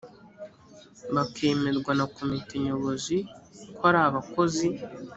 bakemerwa na komite nyobozi ko ari abakozi